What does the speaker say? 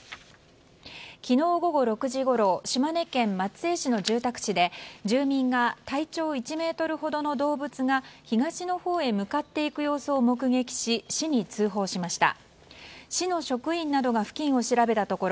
昨日午後６時ごろ島根県松江市の住宅地で住民が体長１ｍほどの動物が東のほうへ向かっていく様子を目撃し、市に通報しました。